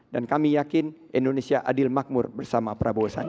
dan kami yakin indonesia adil makmur bersama prabowo sandi